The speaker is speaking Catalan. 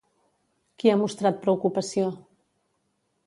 Qui ha mostrat preocupació?